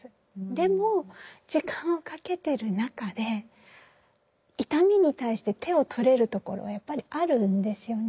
でも時間をかけてる中で痛みに対して手を取れるところはやっぱりあるんですよね。